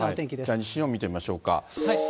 西日本見てみましょうか。